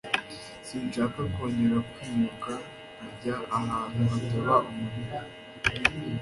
Sinshaka kongera kwimuka nkajya ahantu hataba umuriro.